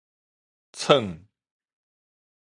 吮